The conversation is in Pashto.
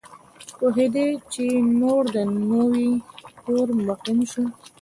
پوهېدی چي نور د نوي کور مقیم سو